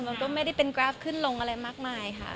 มันก็ไม่ได้เป็นกราฟขึ้นลงอะไรมากมายค่ะ